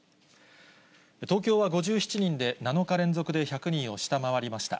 東京は５７人で、７日連続で１００人を下回りました。